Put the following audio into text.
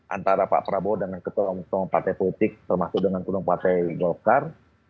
antara pak prabowo dengan ketua ketua partai politik termasuk dengan ketua partai golkar